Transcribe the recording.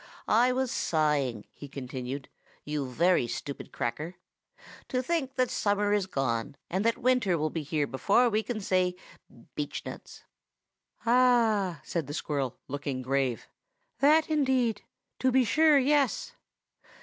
"I was sighing," he continued, "you very stupid Cracker! to think that summer is gone, and that winter will be here before we can say 'Beechnuts.'" "Ah!" said the squirrel, looking grave. "That, indeed! To be sure; yes."